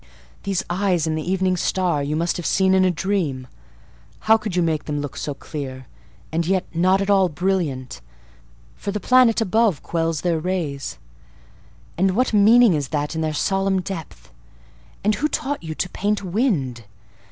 These eyes in the Evening Star you must have seen in a dream. How could you make them look so clear, and yet not at all brilliant? for the planet above quells their rays. And what meaning is that in their solemn depth? And who taught you to paint wind?